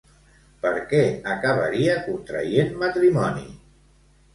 Per què acabaria contraient matrimoni?